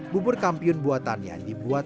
bubur kambiun buatannya dibuat